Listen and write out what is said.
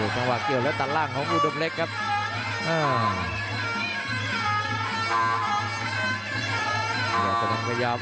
จังหวะเกี่ยวแล้วตัดล่างของอุดมเล็กครับ